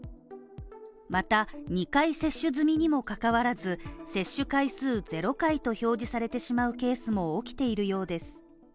また、２回接種済みにもかかわらず、接種回数０回と表示されてしまうケースも起きているようです。